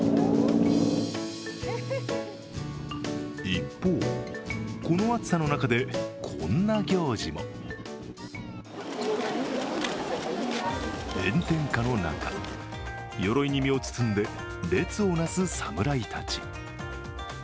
一方、この暑さの中でこんな行事も炎天下の中、鎧に身を包んで列をなす侍たち。